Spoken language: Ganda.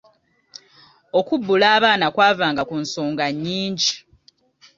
Okubbula abaana kwavanga ku nsonga nnyingi.